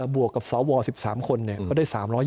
บวกกับสว๑๓คนเนี่ย